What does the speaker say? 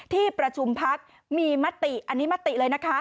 ที่ประชุมพักมีมติอันนี้มติเลยนะคะ